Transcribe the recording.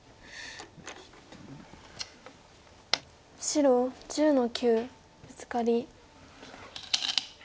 白１０の九ブツカリ。